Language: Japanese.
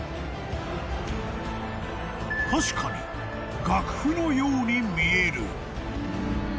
［確かに楽譜のように見える］